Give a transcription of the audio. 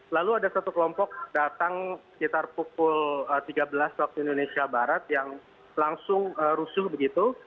lalu ada satu kelompok datang sekitar pukul tiga belas waktu indonesia barat yang langsung rusuh begitu